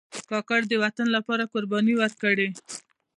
کاکړ د وطن لپاره قربانۍ ورکړي.